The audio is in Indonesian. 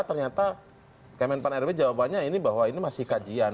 ternyata kemenpan rw jawabannya ini bahwa ini masih kajian